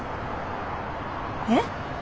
えっ？